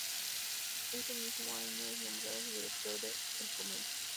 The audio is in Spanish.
Ese mismo año es nombrado director de "El Comercio".